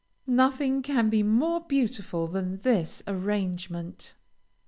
Nothing can be more beautiful than this arrangement.